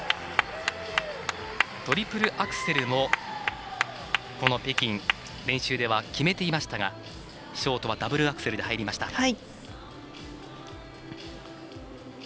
トリプルアクセルも、この北京練習では決めていましたがショートはダブルアクセルで入りました。